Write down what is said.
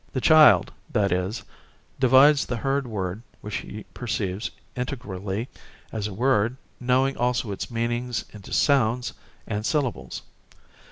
The child, that is, divides the heard word which he perceives integrally as a word, knowing also its meanings, into sounds and syllables.